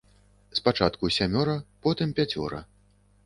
Спачатку сямёра, потым пяцёра.